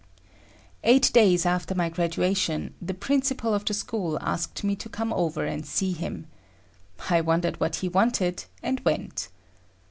Eight days after my graduation, the principal of the school asked me to come over and see him. I wondered what he wanted, and went.